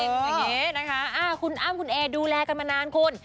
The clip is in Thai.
อย่างนี้นะคะคุณอ้ำคุณเอดูแลกันมานานคุณ